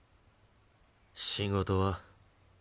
仕事は？